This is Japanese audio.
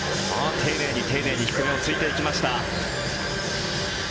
丁寧に丁寧に低めを突いていきました。